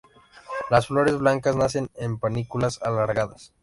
Las flores blancas nacen en panículas alargadas.